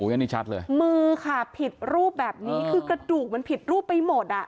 อันนี้ชัดเลยมือค่ะผิดรูปแบบนี้คือกระดูกมันผิดรูปไปหมดอ่ะ